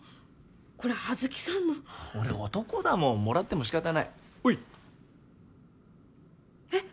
これ葉月さんの俺男だもんもらっても仕方ないほいえっ